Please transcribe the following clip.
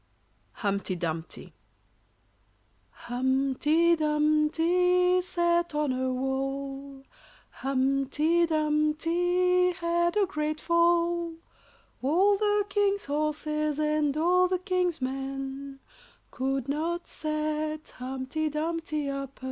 Humpty Dumpty sat on a wall, Humpty Dumpty had a great fall; All the king's horses and all the king's men Could not set Humpty Dumpty up again.